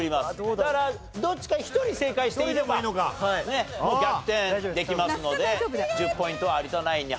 だからどっちか１人正解していれば逆転できますので１０ポイントは有田ナインに入ると。